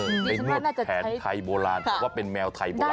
ไปนวดแผนไทยโบราณเพราะว่าเป็นแมวไทยโบราณ